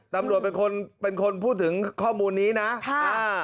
ตำรวจเป็นคนเป็นคนพูดถึงข้อมูลนี้นะค่ะอ่า